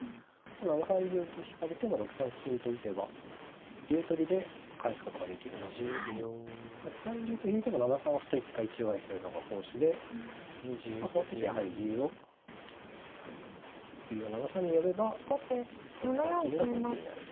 ７三竜と引かれても６三金と打てば竜取りで返すことができるので８三竜と引いても７三歩と一回中合いするのが好手でその時やはり竜をはい竜を７三に寄れば６三金が先手になると。